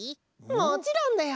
もちろんだよ！